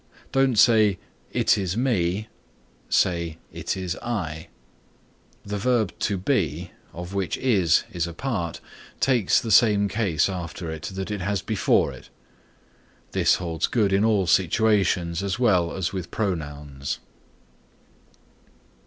Don't say "It is me;" say "It is I" The verb To Be of which is is a part takes the same case after it that it has before it. This holds good in all situations as well as with pronouns.